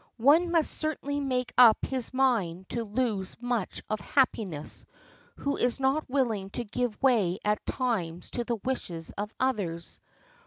One must certainly make up his mind to lose much of happiness who is not willing to give way at times to the wishes of others.